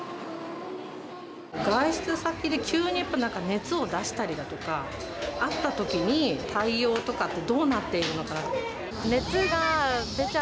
外出先で急に熱を出したりだとか、あったときに、対応とかってどうなっているのかなって。